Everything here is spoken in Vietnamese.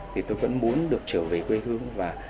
thì tôi vẫn muốn được trở về quê hương